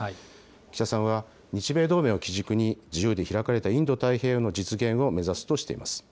岸田さんは日米同盟を基軸に、自由で開かれたインド太平洋の実現を目指すとしています。